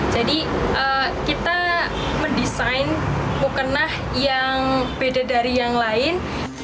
jadi kita mendesain mukena yang beda dari yang lain